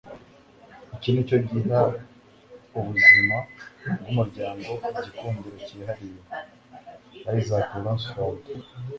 iki ni cyo giha ubuzima bw'umuryango igikundiro cyihariye. - isaac rosenfeld